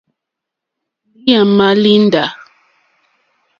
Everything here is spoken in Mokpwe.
Lǐǃáámà líndǎ.